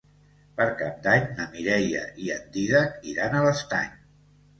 Per Cap d'Any na Mireia i en Dídac iran a l'Estany.